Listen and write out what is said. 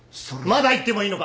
まだ言ってもいいのか！？